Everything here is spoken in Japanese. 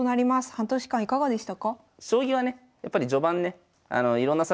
半年間いかがでしたか？